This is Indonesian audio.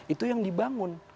itu yang dibangun